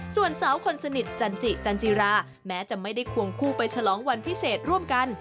ส่วนสาวคนสนิทจันจิจันจิราแม้จะไม่ได้ควงคู่ไปฉลองวันพิเศษร่วมกัน